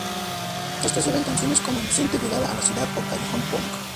Esto se ve en canciones como "Inocente llegada a la ciudad" o "Callejón Punk".